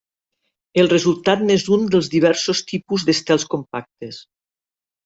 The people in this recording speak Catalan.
El resultat n'és un dels diversos tipus d'estels compactes.